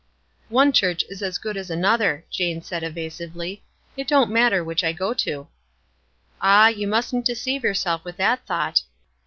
"One church is as good as another," Jane 11 161 162 WISE AND OTHERWISE. said, evasively. "It don't matter which I go to." "Ah, you mustn't deceive yourself with that thought.